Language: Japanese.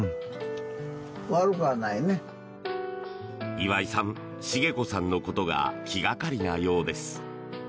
岩井さん、茂子さんのことが気掛かりなようです。